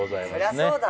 そりゃそうだ